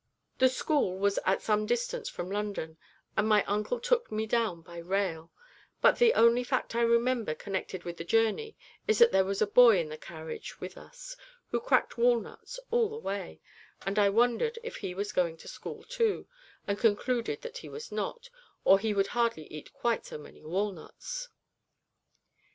The school was at some distance from London, and my uncle took me down by rail; but the only fact I remember connected with the journey is that there was a boy in the carriage with us who cracked walnuts all the way, and I wondered if he was going to school too, and concluded that he was not, or he would hardly eat quite so many walnuts.